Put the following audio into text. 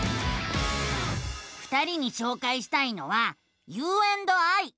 ２人にしょうかいしたいのは「ｕ＆ｉ」。